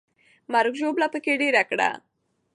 مرګ او ژوبله پکې ډېره کړه.